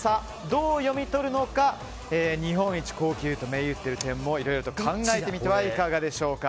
どう読み取るのか日本一高級と銘打っている点もいろいろと考えてみてはいかがでしょうか。